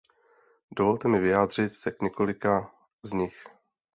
Dovolte mi vyjádřit se k několika z nich.